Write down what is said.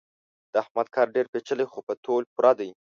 د احمد کار ډېر پېچلی خو په تول پوره دی.